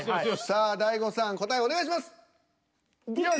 さあ大悟さん答えお願いします。